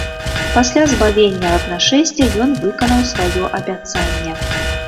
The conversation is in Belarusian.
Пасля збавення ад нашэсця ён выканаў сваё абяцанне.